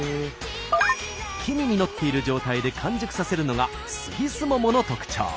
木に実っている状態で完熟させるのが杉すももの特徴。